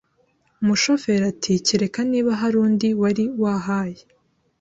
Umushoferi ati kereka niba hari undi wari wahaye